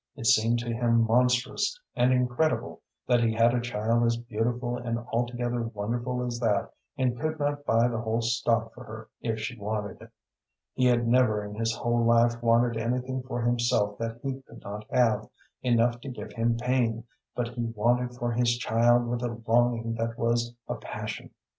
It seemed to him monstrous and incredible that he had a child as beautiful and altogether wonderful as that, and could not buy the whole stock for her if she wanted it. He had never in his whole life wanted anything for himself that he could not have, enough to give him pain, but he wanted for his child with a longing that was a passion.